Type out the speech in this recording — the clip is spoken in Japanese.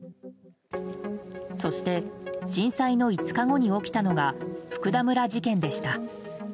そして震災の５日後に起きたのが福田村事件でした。